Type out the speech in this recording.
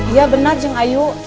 iya benar jeng ayu